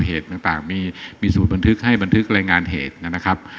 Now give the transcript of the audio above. เหตุต่างมีสูตรบันทึกให้บันทึกรายงานเหตุนะครับ